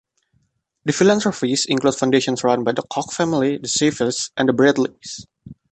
The philanthropies include foundations run by the Koch family, the Scaifes, and the Bradleys.